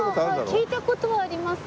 聞いた事はあります。